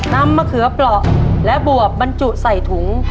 มะเขือเปราะและบวบบรรจุใส่ถุง